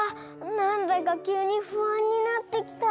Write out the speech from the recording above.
なんだかきゅうにふあんになってきた。